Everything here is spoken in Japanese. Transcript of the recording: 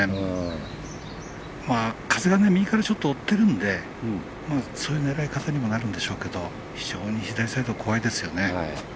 風が右から追ってるんでそういう狙い方にもなるんでしょうけど非常に左サイド、怖いですよね。